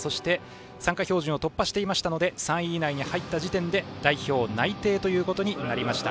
参加標準を突破していましたので３位以内に入った時点で代表内定ということになりました。